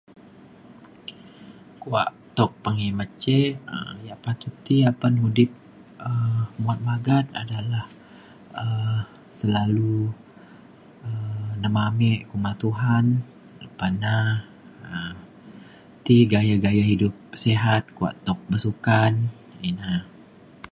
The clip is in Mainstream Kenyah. kuak tuk pekimet ce um yak patut ti apan udip um muat magat adalah um selalu um nemame kuma Tuhan. lepa na um ti gaya gaya hidup sihat kuak tuk bersukan ina